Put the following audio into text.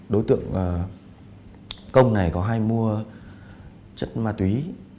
đối tượng công này có hai mua chất ma túy